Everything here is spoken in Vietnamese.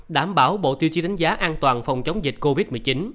đảm bảo bộ tiêu chí đánh giá an toàn phòng chống dịch covid một mươi chín